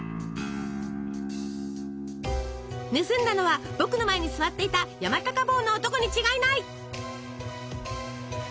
「盗んだのは僕の前に座っていた山高帽の男に違いない！」。